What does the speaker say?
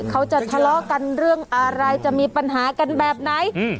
เขาจะทะเลาะกันเรื่องอะไรจะมีปัญหากันแบบไหน